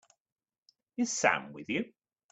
Is Sam with you?